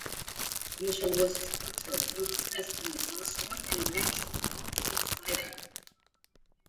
Mitchel was tortured, imprisoned on the Bass Rock and eventually also executed.